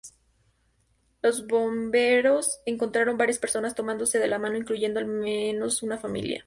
Los bomberos encontraron varias personas tomándose de las manos, incluyendo al menos una familia.